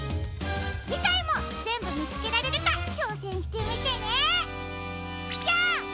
じかいもぜんぶみつけられるかちょうせんしてみてね！